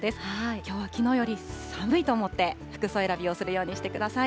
きょうはきのうより寒いと思って、服装選びをするようにしてください。